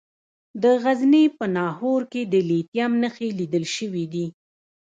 د غزني په ناهور کې د لیتیم نښې لیدل شوي دي.